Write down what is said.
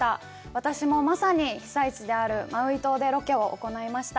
私もまさに、被災地であるマウイ島でロケを行いました。